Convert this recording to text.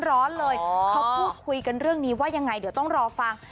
ร้อนเลยเขาพูดคุยกันเรื่องนี้ว่ายังไงเดี๋ยวต้องรอฟัง